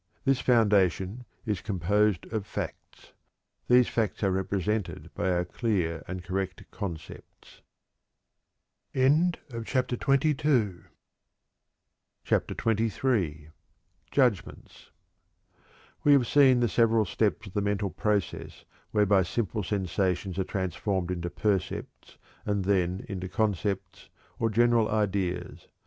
This foundation is composed of facts. These facts are represented by our clear and correct concepts. CHAPTER XXIII. Judgments. We have seen the several steps of the mental process whereby simple sensations are transformed into percepts and then into concepts or general ideas.